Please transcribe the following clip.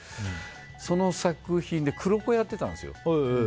その作品で黒子をやってたんですよ。